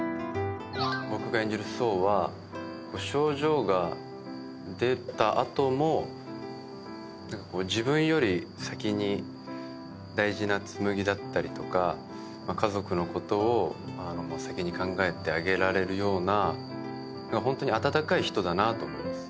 僕が演じる想は症状が出た後も何かこう自分より先に大事な紬だったりとか家族のことを先に考えてあげられるようなホントに温かい人だなと思います。